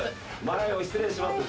前を失礼します。